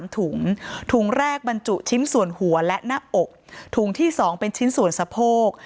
ถุงถุงแรกบรรจุชิ้นส่วนหัวและหน้าอกถุงที่๒เป็นชิ้นส่วนสะโพก